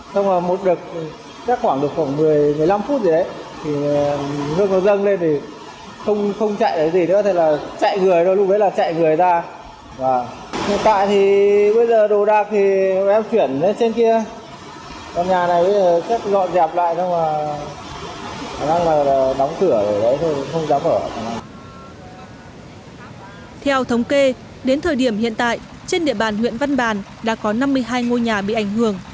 theo thống kê đến thời điểm hiện tại trên địa bàn huyện văn bàn đã có năm mươi hai ngôi nhà bị ảnh hưởng